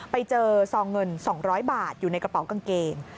ไปเจอซองเงิน๒๐๐บาทอยู่ในกระเป๋ากางเกง